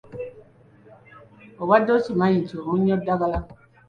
Obadde okimanyi nti omunnyo ddagala?